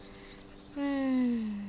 うん。